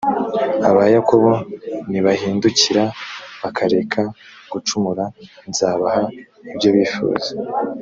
abayakobo nibahindukira bakareka gucumura, nzabaha ibyo bifuza